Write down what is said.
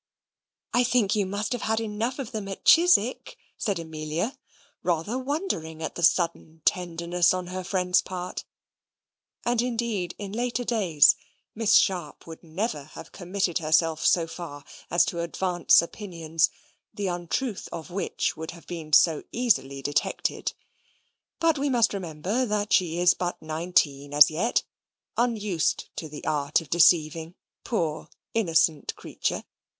"I think you must have had enough of them at Chiswick," said Amelia, rather wondering at the sudden tenderness on her friend's part; and indeed in later days Miss Sharp would never have committed herself so far as to advance opinions, the untruth of which would have been so easily detected. But we must remember that she is but nineteen as yet, unused to the art of deceiving, poor innocent creature!